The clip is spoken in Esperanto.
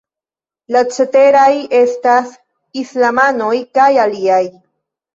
La ceteraj estas Islamanoj kaj aliaj.